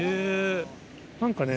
何かね